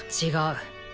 違う！